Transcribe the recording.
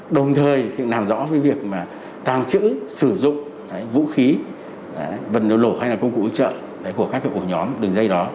đồng thời thì làm rõ với việc mà tàng trữ sử dụng vũ khí vật lỗ hay là công cụ ủi trợ của các cái ổ nhóm đường dây đó